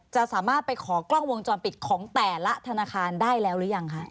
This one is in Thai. จะสามารถไปขอกล้องวงจรปิดของแต่ละธนาคารได้แล้วหรือยังคะ